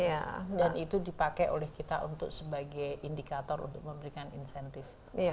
dan itu dipakai oleh kita sebagai indikator untuk memberikan insentif